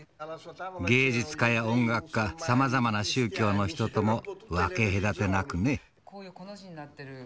芸術家や音楽家さまざまな宗教の人とも分け隔てなくね。